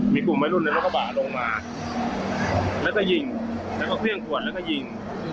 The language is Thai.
มีกลุ่มวัยรุ่นในรถกระบะลงมาแล้วก็ยิงแล้วก็เครื่องขวดแล้วก็ยิง